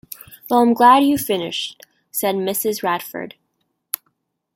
“Well, I’m glad you’ve finished,” said Mrs. Radford.